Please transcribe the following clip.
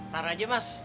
taruh aja mas